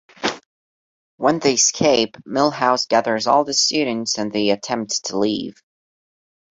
When they escape, Milhouse gathers all the students and they attempt to leave.